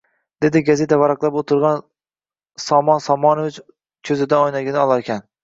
Dedi gazeta varaqlab o`tirgan Somon Somonovich ko`zidan oynagini olarkan